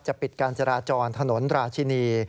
ปิดการจราจรถนนราชินี